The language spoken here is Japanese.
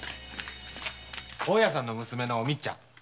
大家さんの娘のおみっちゃん。